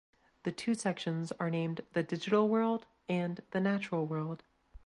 The two sections are named "The Digital World" and "The Natural World".